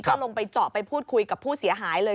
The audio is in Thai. ก็ลงไปเจาะไปพูดคุยกับผู้เสียหายเลย